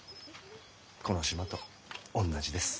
この島と同じです。